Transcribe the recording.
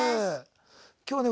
今日はね